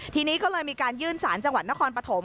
ทีนี้ก็เลยมีการยื่นสารจังหวัดนครปฐม